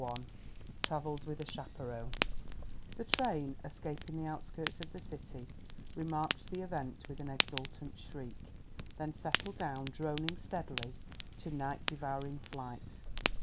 XVI TRAVELS WITH A CHAPERON The train, escaping the outskirts of the city, remarked the event with an exultant shriek, then settled down, droning steadily, to night devouring flight.